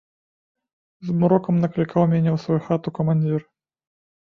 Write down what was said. Змрокам наклікаў мяне ў сваю хату камандзір.